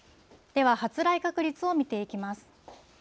では、発雷確率を見ていきます。